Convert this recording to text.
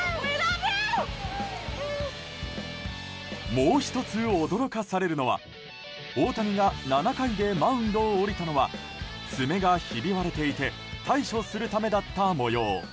もう１つ驚かされるのは大谷が７回でマウンドを降りたのは爪がひび割れていて対処するためだった模様。